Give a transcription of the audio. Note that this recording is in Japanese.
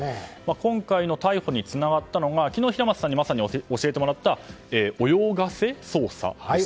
今回の逮捕につながったのが昨日、平松さんにまさに教えてもらった泳がせ捜査ですよね。